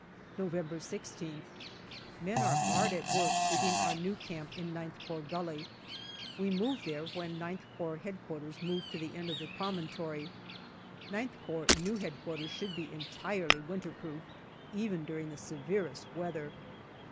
November Men are hard at work digging our new camp in IX Corps Gully. We move there, when IX Corps H.Q. move to the end of the promontory. IX Corps new Headquarters should be entirely winterproof, even during the severest weather.